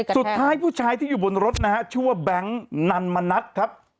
สุดท้ายผู้ชายที่อยู่บนรถนะฮะชื่อว่าแบงค์นันมณัฐครับ